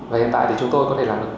và hiện tại thì chúng tôi có thể là